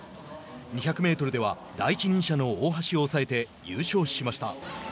２００メートルでは第一人者の大橋を抑えて優勝しました。